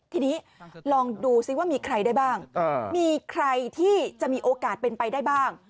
ทีนี้ลองดูซิว่ามีใครได้บ้างมีใครที่จะมีโอกาสเป็นไปได้บ้าง